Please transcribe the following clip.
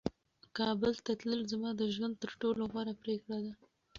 کابل ته تلل زما د ژوند تر ټولو غوره پرېکړه وه.